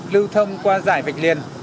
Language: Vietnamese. giao thông qua dải vạch liền